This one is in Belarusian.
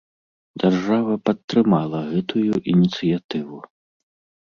Дзяржава падтрымала гэтую ініцыятыву!